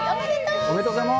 おめでとうございます。